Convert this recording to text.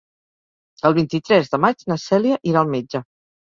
El vint-i-tres de maig na Cèlia irà al metge.